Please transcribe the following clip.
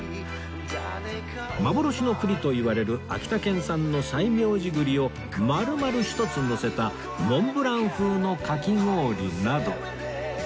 幻の栗といわれる秋田県産の西明寺栗を丸々一つのせたモンブラン風のかき氷など